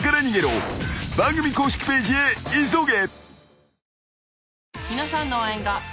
［番組公式ページへ急げ］